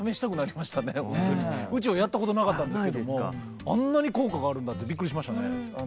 うちはやったことなかったんですけどもあんなに効果があるんだってびっくりしましたね。